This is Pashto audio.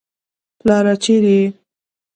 پلاره چېرې يې.